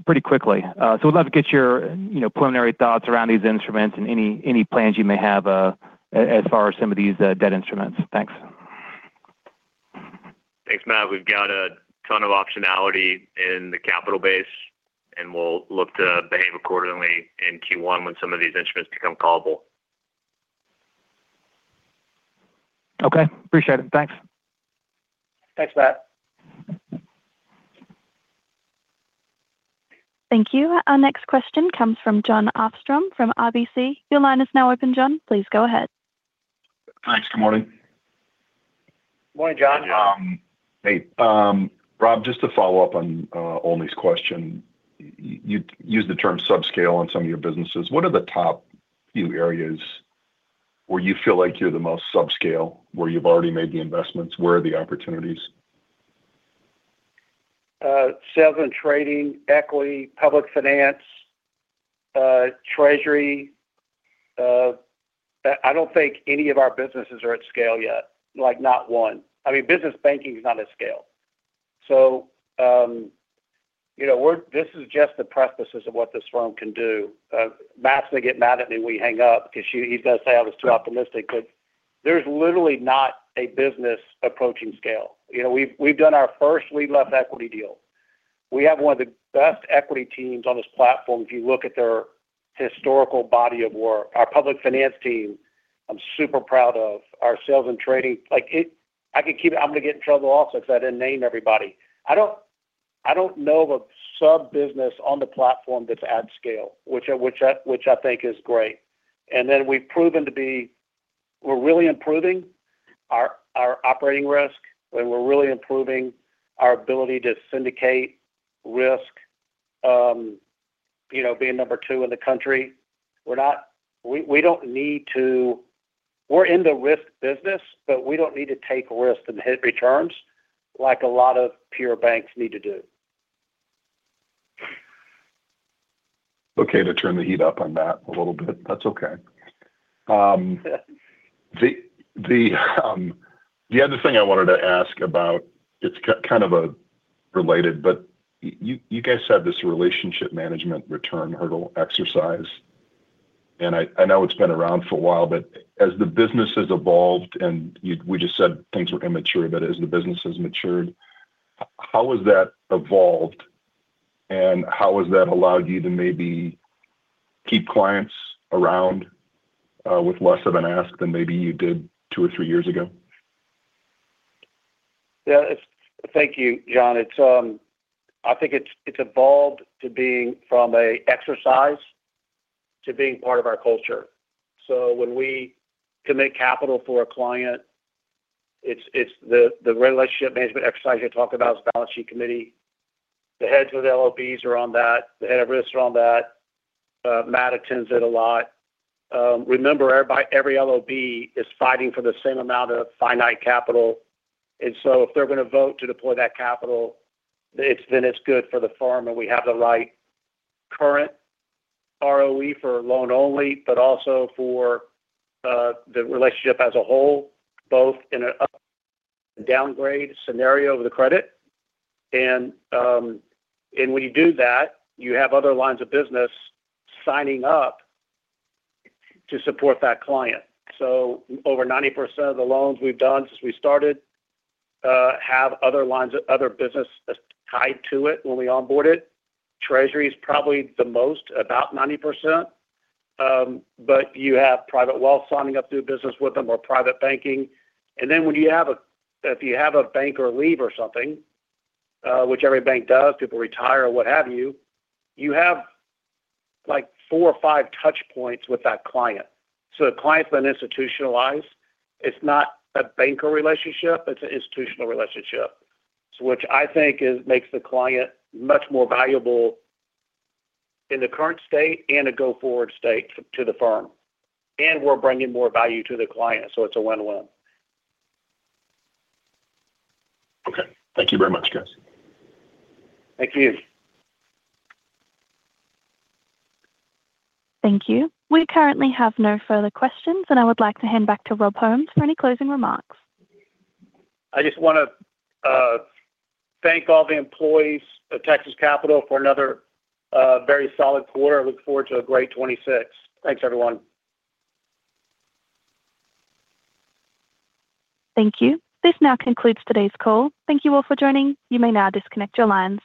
J: pretty quickly, so we'd love to get your preliminary thoughts around these instruments and any plans you may have as far as some of these debt instruments. Thanks.
D: Thanks, Matt. We've got a ton of optionality in the capital base, and we'll look to behave accordingly in Q1 when some of these instruments become callable.
J: Okay. Appreciate it. Thanks.
C: Thanks, Matt.
A: Thank you. Our next question comes from Jon Arfstrom from RBC. Your line is now open, John. Please go ahead.
K: Thanks. Good morning.
C: Good morning, John.
K: Hey, Rob, just to follow up on Olney's question, you used the term subscale on some of your businesses. What are the top few areas where you feel like you're the most subscale, where you've already made the investments? Where are the opportunities?
C: Sales and trading, equity, public finance, treasury. I don't think any of our businesses are at scale yet, not one. I mean, business banking is not at scale. So this is just the precipice of what this firm can do. Matt's going to get mad at me when we hang up because he's going to say I was too optimistic, but there's literally not a business approaching scale. We've done our first lead-left equity deal. We have one of the best equity teams on this platform if you look at their historical body of work. Our public finance team, I'm super proud of. Our sales and trading, I could keep it, I'm going to get in trouble also because I didn't name everybody. I don't know of a sub-business on the platform that's at scale, which I think is great, and then we've proven to be we're really improving our operating risk, and we're really improving our ability to syndicate risk, being number two in the country. We don't need to. We're in the risk business, but we don't need to take risks and hit returns like a lot of pure banks need to do.
K: Okay. To turn the heat up on that a little bit, that's okay. The other thing I wanted to ask about, it's kind of related, but you guys had this relationship management return hurdle exercise. And I know it's been around for a while, but as the business has evolved, and we just said things were immature, but as the business has matured, how has that evolved, and how has that allowed you to maybe keep clients around with less of an ask than maybe you did two or three years ago?
C: Yeah. Thank you, John. I think it's evolved from an exercise to being part of our culture. So when we commit capital for a client, the relationship management exercise you're talking about is balance sheet committee. The heads of the LOBs are on that. The head of risk is on that. Matt attends it a lot. Remember, every LOB is fighting for the same amount of finite capital. And so if they're going to vote to deploy that capital, then it's good for the firm and we have the right current ROE for loan only, but also for the relationship as a whole, both in a downgrade scenario of the credit. And when you do that, you have other lines of business signing up to support that client. So over 90% of the loans we've done since we started have other lines of other business tied to it when we onboard it. Treasury is probably the most, about 90%. But you have private wealth signing up through business with them or private banking. And then when you have a banker leave or something, which every bank does, people retire or what have you, you have four or five touch points with that client. So the client's been institutionalized. It's not a banker relationship. It's an institutional relationship, which I think makes the client much more valuable in the current state and a go-forward state to the firm. And we're bringing more value to the client, so it's a win-win.
K: Okay. Thank you very much, guys.
C: Thank you.
A: Thank you. We currently have no further questions, and I would like to hand back to Rob Holmes for any closing remarks.
C: I just want to thank all the employees of Texas Capital for another very solid quarter. I look forward to a great 2026. Thanks, everyone.
A: Thank you. This now concludes today's call. Thank you all for joining. You may now disconnect your lines.